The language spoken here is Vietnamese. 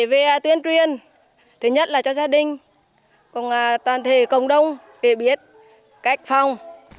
về tuyên truyền thứ nhất là cho gia đình toàn thể cộng đồng để biết cách phòng